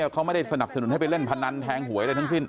เขาไม่ได้สนับสนุนให้ไปเล่นพนันแทงหวยอะไรทั้งสิ้น